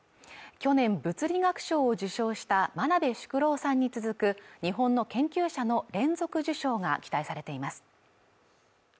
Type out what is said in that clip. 去年物理学賞を受賞した真鍋淑郎さんに続く日本の研究者の連続受賞が期待されています